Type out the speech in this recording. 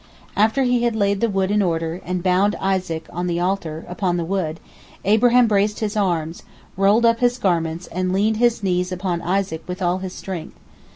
After he had laid the wood in order, and bound Isaac on the altar, upon the wood, Abraham braced his arms, rolled up his garments, and leaned his knees upon Isaac with all his strength.